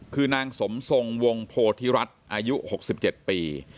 คือนางสมทรงวงโพธิรัฐอายุ๖๗ปี